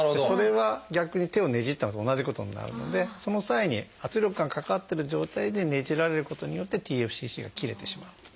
それは逆に手をねじったのと同じことになるのでその際に圧力がかかってる状態でねじられることによってＴＦＣＣが切れてしまう。